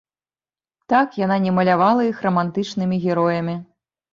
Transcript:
Так, яна не малявала іх рамантычнымі героямі.